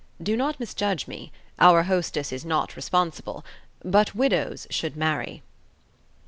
Do not misjudge me. Our hostess is not responsible. But widows should marry."